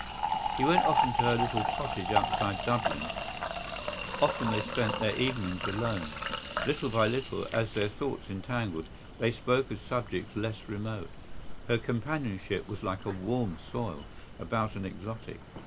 He went often to her little cottage outside Dublin; often they spent their evenings alone. Little by little, as their thoughts entangled, they spoke of subjects less remote. Her companionship was like a warm soil about an exotic.